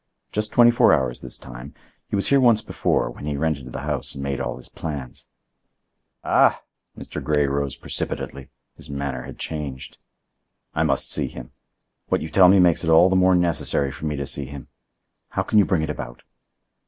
"Just twenty four hours, this time. He was here once before, when he rented the house and made all his plans." "Ah!" Mr. Grey rose precipitately. His manner had changed. "I must see him. What you tell me makes it all the more necessary for me to see him. How can you bring it about?"